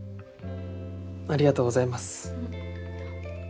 ありがとうございます。